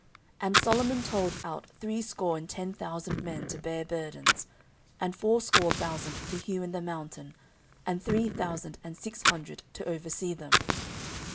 14:002:002 And Solomon told out threescore and ten thousand men to bear burdens, and fourscore thousand to hew in the mountain, and three thousand and six hundred to oversee them.